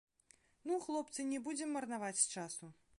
Ну, хлопцы, не будзем марнаваць часу.